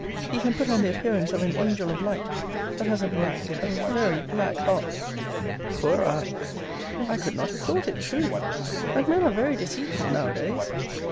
He can put on the appearance of an angel of light; but has a black, a very black heart! Poor I! Miss R. I could not have thought it, truly! But men are very deceitful, now a days.